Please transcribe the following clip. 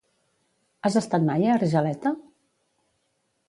Has estat mai a Argeleta?